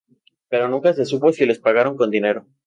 Pero nunca se supo si les pagaron con dinero.